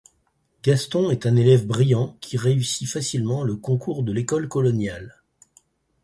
Gaston est un élève brillant qui réussit facilement le concours de l'école coloniale.